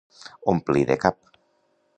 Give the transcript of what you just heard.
Omplir de cap.